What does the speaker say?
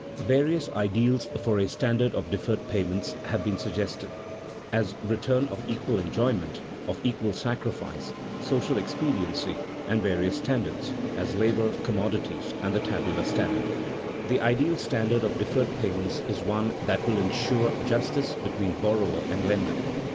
_Various ideals for a standard of deferred payments have been suggested as return of equal enjoyment, of equal sacrifice, social expediency; and various standards as labor, commodities, and the tabular standard._ The ideal standard of deferred payments is one that will insure justice between borrower and lender.